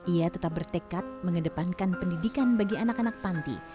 ia tetap bertekad mengedepankan pendidikan bagi anak anak panti